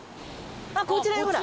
あっこちらにほら。